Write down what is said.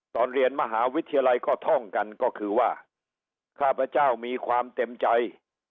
ตอนเรียนมหาวิทยาลัยก็ท่องกันก็คือว่าข้าพเจ้ามีความเต็มใจ